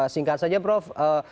singkat saja prof